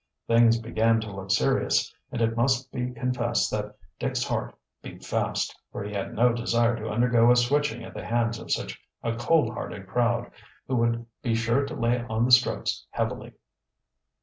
Things began to look serious and it must be confessed that Dick's heart beat fast, for he had no desire to undergo a switching at the hands of such a cold hearted crowd, who would be sure to lay on the strokes heavily.